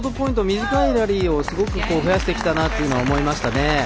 短いラリーをすごく増やしてきたなというのは思いましたね。